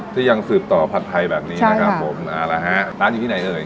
ที่ยังสืบต่อผัดไทยแบบนี้นะครับผมเอาละฮะร้านอยู่ที่ไหนเอ่ย